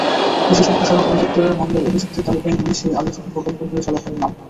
কৃষি সম্প্রসারণ অধিদপ্তরের মামলায় অভিযুক্তের তালিকায় নেই সেই আলোচিত প্রকল্প পরিচালকের নাম।